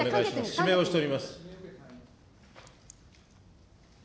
指名をしております。